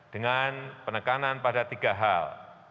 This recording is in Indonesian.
dengan penekanan pada tiga hal